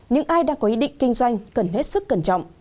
những ai đang có ý định kinh doanh cần hết sức cẩn trọng